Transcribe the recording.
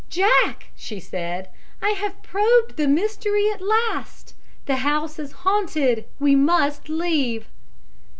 'Jack!' she said, 'I have probed the mystery at last. The house is haunted! We must leave.'